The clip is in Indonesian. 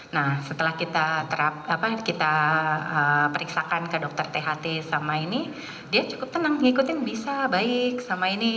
nah setelah kita periksakan ke dokter tht sama ini dia cukup tenang ngikutin bisa baik sama ini